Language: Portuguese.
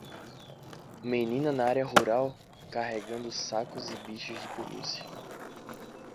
Menina na área rural? carregando sacos e bichos de pelúcia.